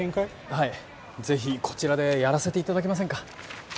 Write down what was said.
はいぜひこちらでやらせていただけませんか？